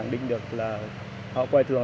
năm thứ hai mươi bốn